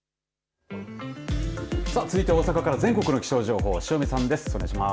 続いて大阪から全国の気象情報、塩見さんです。